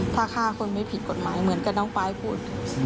ถ้าฆ่าคนไม่ผิดกฎหมายเหมือนกับน้องปลายพูด